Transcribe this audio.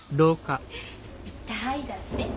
「痛い」だって。